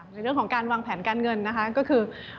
ในเรื่องของการวางแผนการเงินนะคะก็คือ